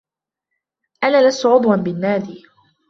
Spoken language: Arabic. انا لست عضوا بالناد.